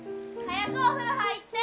早くお風呂入って！